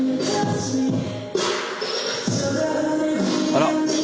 あら。